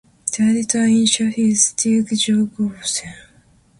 The editor-in-chief is Stig Jakobsen.